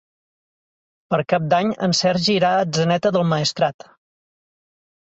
Per Cap d'Any en Sergi irà a Atzeneta del Maestrat.